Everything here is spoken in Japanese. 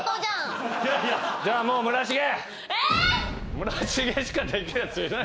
村重しかできるやついない。